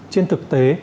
trên thực tế